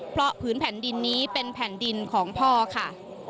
เพราะผืนแผ่นดินนี้เป็นแผ่นดินของพ่อค่ะ